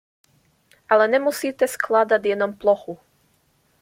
Ale nemusíte skládat jenom plochu.